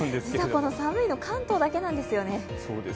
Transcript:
この寒いの、関東だけなんですよね。